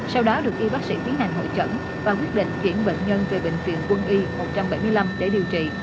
sau đó được y bác sĩ tiến hành hội chẩn và quyết định chuyển bệnh nhân về bệnh viện quân y một trăm bảy mươi năm để điều trị